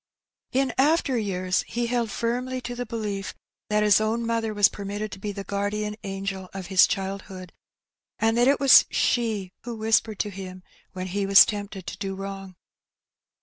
In after years he held firmly to the belief that his own mother was permitted to be the guardian angel of his child hood, and that it was she who whispered to him when he was tempted to do wrong.